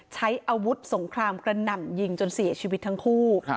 ใช้อาวุธสงครามกระหน่ำยิงจนเสียชีวิตทั้งคู่